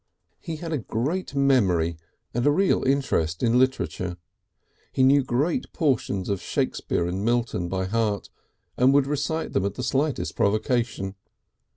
He had a great memory and a real interest in literature. He knew great portions of Shakespeare and Milton by heart, and would recite them at the slightest provocation.